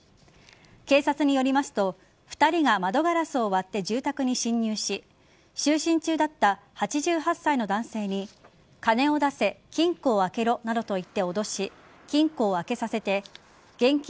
警察によりますと２人が窓ガラスを割って住宅に侵入し就寝中だった８８歳の男性に金を出せ、金庫を開けろなどと言って脅し金庫を開けさせて現金